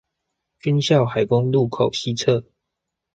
軍校海功路口西側